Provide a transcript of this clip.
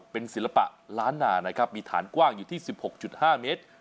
เป็นศิลปะล้านนานะครับมีฐานกว้างอยู่ที่๑๖๕เมตร